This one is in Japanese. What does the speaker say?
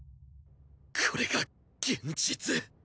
これが現実